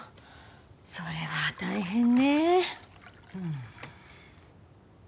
それは大変ね。